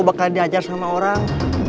bahkan diajar sama orang